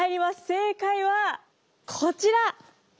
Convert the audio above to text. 正解はこちら。